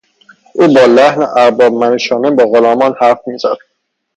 او با لحن اربابمنشانه با غلامان حرف میزد.